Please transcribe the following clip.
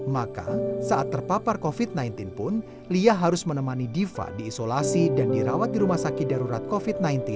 maka saat terpapar covid sembilan belas pun lia harus menemani diva di isolasi dan dirawat di rumah sakit darurat covid sembilan belas